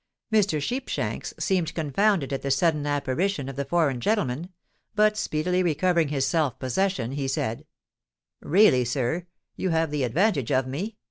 Mr. Sheepshanks seemed confounded at the sudden apparition of the foreign gentleman: but, speedily recovering his self possession, he said, "Really, sir, you have the advantage of me.